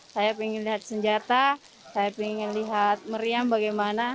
saya ingin melihat senjata saya ingin melihat meriam bagaimana